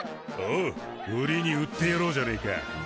おう売りに売ってやろうじゃねえか。